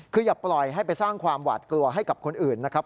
คืออย่าปล่อยให้ไปสร้างความหวาดกลัวให้กับคนอื่นนะครับ